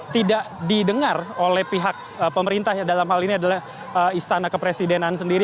tidak didengar oleh pihak pemerintah dalam hal ini adalah istana kepresidenan sendiri